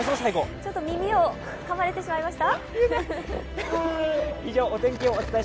ちょっと耳をかまれてしまいました？